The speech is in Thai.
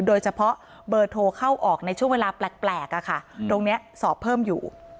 โดยเฉพาะเบอร์โทรเข้าออกในช่วงเวลาแปลกตรงนี้สอบเพิ่มอยู่